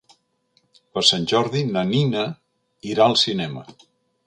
Per Sant Jordi na Nina irà al cinema.